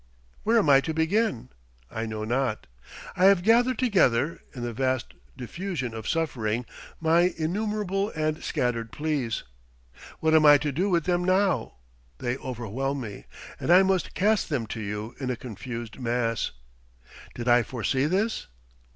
Where am I to begin? I know not. I have gathered together, in the vast diffusion of suffering, my innumerable and scattered pleas. What am I to do with them now? They overwhelm me, and I must cast them to you in a confused mass. Did I foresee this?